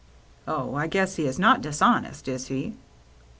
" Oh, I guess he is not dishonest, is he